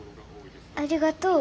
ありがとう。